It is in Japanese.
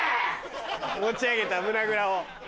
持ち上げた胸ぐらを。